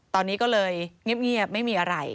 ตอนนี้ก็เลยเงียบไม่มีอะไร